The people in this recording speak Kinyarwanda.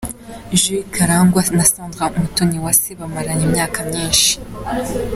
Jules Karangwa na Sandra Mutoniwase bamaranye imyaka myinshi.